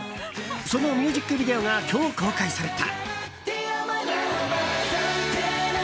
そのミュージックビデオが今日公開された。